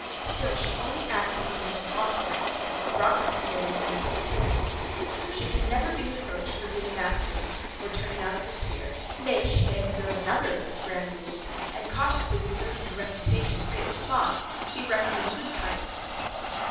Still she only acts as a woman ought to act, brought up according to Rousseau's system. She can never be reproached for being masculine, or turning out of her sphere; nay, she may observe another of his grand rules, and, cautiously preserving her reputation free from spot, be reckoned a good kind of woman.